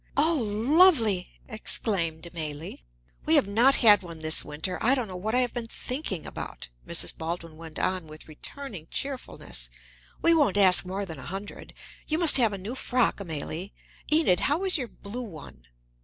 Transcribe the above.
"Oh, lovely!" exclaimed Amélie. "We have not had one this winter I don't know what I have been thinking about," Mrs. Baldwin went on with returning cheerfulness. "We won't ask more than a hundred. You must have a new frock, Amélie. Enid, how is your blue one?"